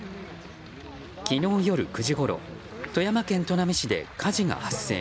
昨日夜９時ごろ富山県砺波市で火事が発生。